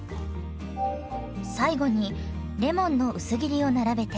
最後にレモンの薄切りを並べて。